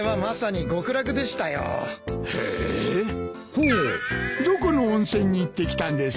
ほうどこの温泉に行ってきたんです？